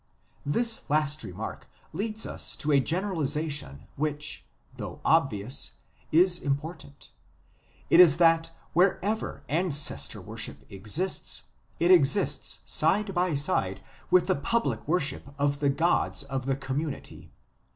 This last remark leads us to a generalization which, though obvious, is important : it is that wherever Ancestor worship exists, it exists side by side with the public worship of the gods of the community.